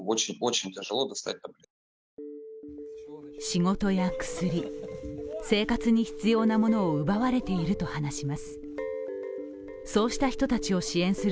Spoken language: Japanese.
仕事や薬、生活に必要なものを奪われていると話します。